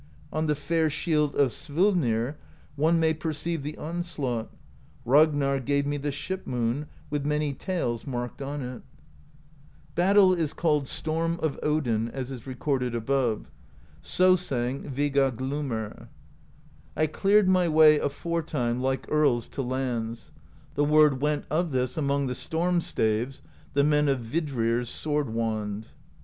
On the fair shield of Svolnir One may perceive the onslaught; Ragnarr' gave me the Ship Moon, With many tales marked on it. * See page i6i. THE POESY OF SKALDS 191 Battle is called Storm of Odin, as is recorded above; so sang Viga Glumr: I cleared my way aforetime Like earls to lands; the word went Of this among the Storm Staves, The men of Vidrir's Sword Wand.